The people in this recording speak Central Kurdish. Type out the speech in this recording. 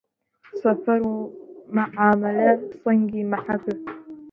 سەفەر و معامەلە سەنگی مەحەکە